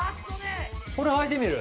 これはいてみる？